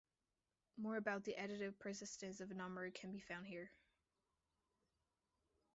More about the additive persistence of a number can be found here.